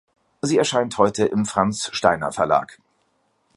Sie erscheint heute im Franz Steiner Verlag.